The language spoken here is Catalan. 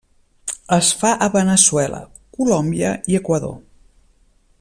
Es fa a Veneçuela, Colòmbia i Equador.